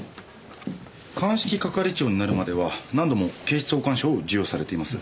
鑑識係長になるまでは何度も警視総監賞を授与されています。